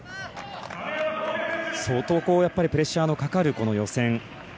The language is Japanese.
相当プレッシャーのかかる予選。